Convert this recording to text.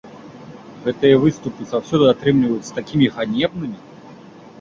Гэтыя выступы заўсёды атрымліваюцца такімі ганебнымі!